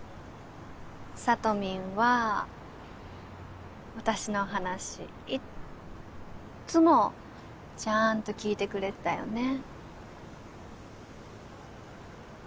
サトミンは私の話いっつもちゃんと聞いてくれてたよね。